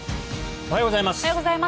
おはようございます。